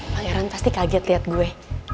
pangeran pasti kaget lihat gue